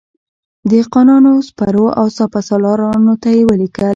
دهقانانو، سپرو او سپه سالارانو ته یې ولیکل.